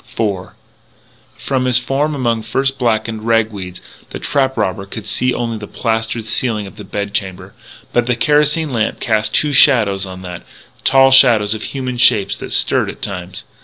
IV From his form among frost blackened rag weeds, the trap robber could see only the plastered ceiling of the bed chamber. But the kerosene lamp cast two shadows on that tall shadows of human shapes that stirred at times.